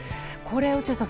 落合さん